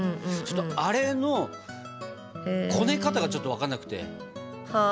あれのこね方がちょっと分かんなくて。